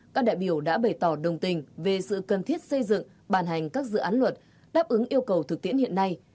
các đại biểu đã bày tỏ đồng tình về sự cần thiết xây dựng bàn hành các dự án luật đáp ứng yêu cầu thực tiễn hiện nay